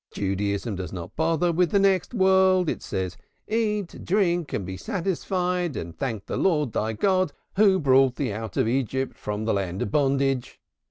Judaism does not bother with the next world. It says, 'Eat, drink and be satisfied and thank the Lord, thy God, who brought thee out of Egypt from the land of bondage.'